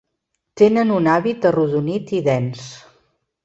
Tenen un hàbit arrodonit i dens.